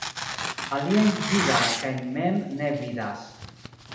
Aliajn gvidas kaj mem ne vidas.